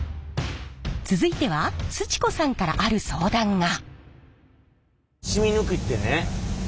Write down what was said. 続いてはすち子さんからある相談が。